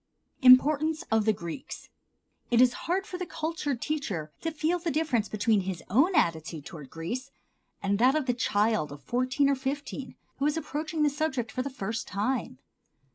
Importance of the Greeks. It is hard for the cultured teacher to feel the difference between his own attitude toward Greece and that of the child of fourteen or fifteen who is approaching the subject for the first time.